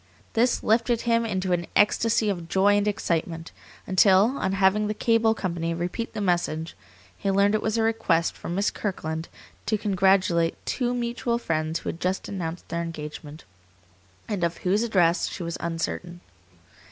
This lifted him into an ecstasy of joy and excitement, until, on having the cable company repeat the message, he learned it was a request from Miss Kirkland to congratulate two mutual friends who had just announced their engagement, and of whose address she was uncertain.